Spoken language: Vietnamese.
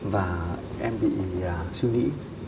và em bị suy nghĩ